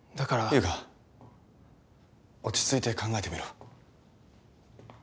悠河落ち着いて考えてみろ。